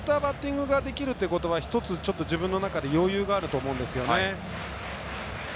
こういったバッティングができるということが自分の中で余裕があると思うんですよね。